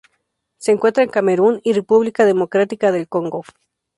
Se encuentra en Camerún y República Democrática del Congo.